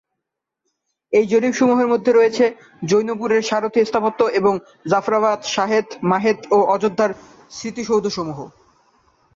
এই জরিপসমূহের মধ্যে রয়েছে জৌনপুরের শারকি স্থাপত্য এবং জাফরাবাদ, শাহেথ, মাহেথ ও অযোধ্যার স্মৃতিসৌধসমূহ।